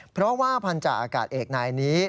เพราะว่าพันธาอากาศเอกนายนี้